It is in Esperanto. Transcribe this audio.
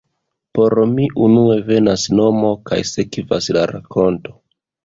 Por mi unue venas nomo kaj sekvas la rakonto.